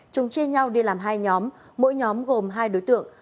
chúng chia nhau đi làm hai nhóm mỗi nhóm gồm hai đối tượng